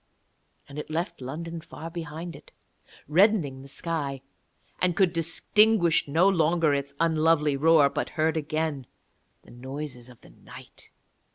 And it left London far behind it, reddening the sky, and could distinguish no longer its unlovely roar, but heard again the noises of the night.